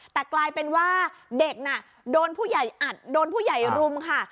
แต่กลายเป็นว่าเด็กน่ะโดนผู้ใหญ่อัดโดนผู้ใหญ่รุมค่ะ